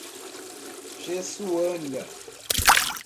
Jesuânia